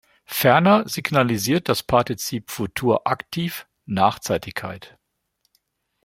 Ferner signalisiert das Partizip Futur Aktiv Nachzeitigkeit.